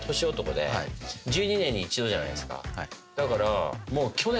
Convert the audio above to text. だから。